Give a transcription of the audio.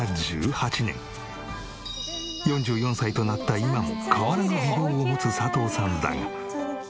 ４４歳となった今も変わらぬ美貌を持つ佐藤さんだが。